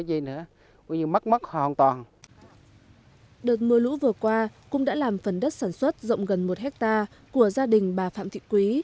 đợt mưa lũ vừa qua cũng đã làm phần đất sản xuất rộng gần một hectare của gia đình bà phạm thị quý